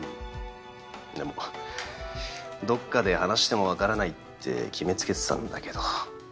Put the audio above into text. でもどっかで話しても分からないって決め付けてたんだけど。